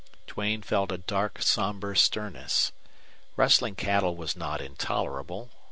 Duane felt a dark, somber sternness. Rustling cattle was not intolerable.